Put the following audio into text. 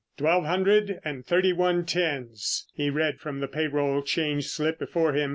"Twelve hundred and thirty one tens," he read from the payroll change slip before him.